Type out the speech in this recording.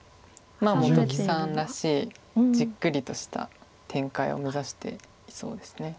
まあ本木さんらしいじっくりとした展開を目指していそうです。